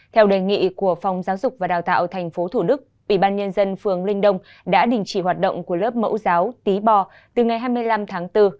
theo đề nghị của phòng giáo dục và đào tạo tp thủ đức ủy ban nhân dân phường linh đông đã đình chỉ hoạt động của lớp mẫu giáo tí bò từ ngày hai mươi năm tháng bốn